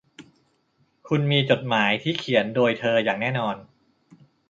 คุณมีจดหมายที่เขียนโดยเธออย่างแน่นอน